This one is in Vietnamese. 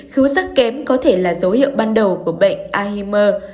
khứu rắc kém có thể là dấu hiệu ban đầu của bệnh alzheimer